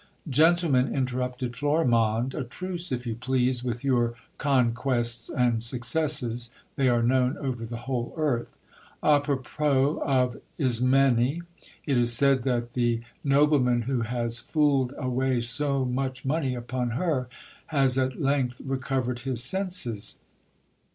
Gentlemen, interrupted Florimonde, a truce, if you please, with your con quests and successes, they are known over the whole earth. Apropos of Is mene. It is said that the nobleman who has fooled away so much money upon her, has at length recovered his senses.